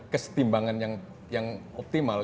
kesetimbangan yang optimal